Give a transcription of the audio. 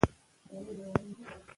د فلېکس بس هډه لس متره وړاندې ده